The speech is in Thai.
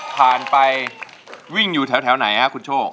ผ่านไปวิ่งอยู่แถวไหนฮะคุณโชค